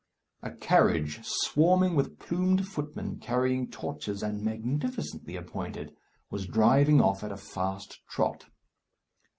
A carriage, swarming with plumed footmen carrying torches and magnificently appointed, was driving off at a fast trot.